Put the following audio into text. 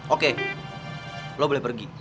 oke lo boleh pergi